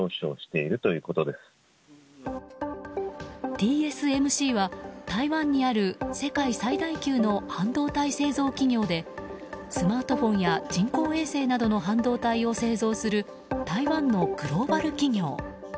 ＴＳＭＣは台湾にある世界最大級の半導体製造企業でスマートフォンや人工衛星などの半導体を製造する台湾のグローバル企業。